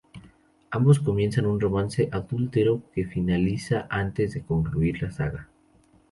Ambos comienzan un romance adúltero que finaliza antes de concluir la saga.